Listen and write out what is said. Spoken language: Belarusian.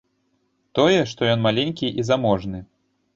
Тое, што ён маленькі і заможны.